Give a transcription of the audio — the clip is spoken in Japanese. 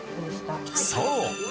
そう！